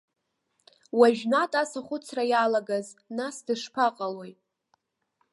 Уажәнатә ас ахәыцра иалагаз, нас дышԥаҟалои?